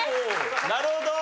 なるほど！